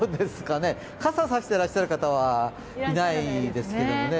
傘を差してらっしゃる方はいないですけど。